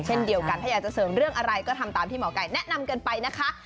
เช่นเดียวกันถ้าอยากจะเสริมเรื่องอะไรก็ทำตามที่หมอไก่แนะนำกันไปนะคะ